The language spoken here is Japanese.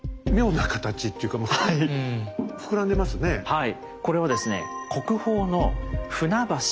はい。